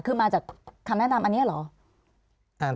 คือมาจากคำแนะนำอันนี้เหรอ